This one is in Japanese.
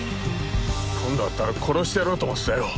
今度会ったら殺してやろうと思ってたよ